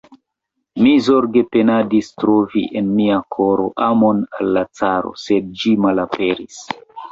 Mi zorge penadis trovi en mia koro amon al la caro, sed ĝi malaperis!